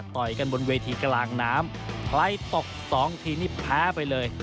ต่อยกันบนเวทีกลางน้ำใครตกสองทีนี่แพ้ไปเลย